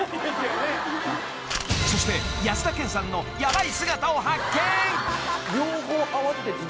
［そして安田顕さんのヤバい姿を発見］